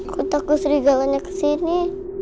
aku takut segalanya kesini